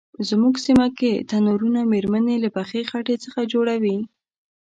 زمونږ سیمه کې تنرونه میرمنې له پخې خټې څخه جوړوي.